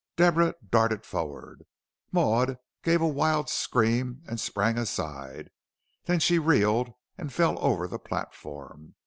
Deborah darted forward Maud gave a wild scream and sprang aside: then she reeled and fell over the platform.